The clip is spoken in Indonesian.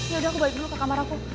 ya udah aku balik dulu ke kamar aku